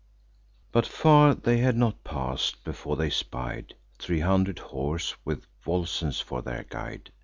But far they had not pass'd, before they spied Three hundred horse, with Volscens for their guide.